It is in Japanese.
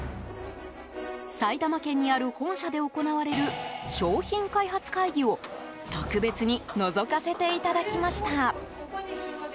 埼玉県にある本社で行われる商品開発会議を特別にのぞかせていただきました。